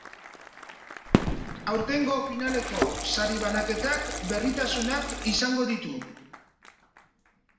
Aurtengo finaleko sari-banaketak berritasunak izango ditu.